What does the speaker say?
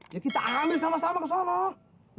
ya kita ambil sama sama kesono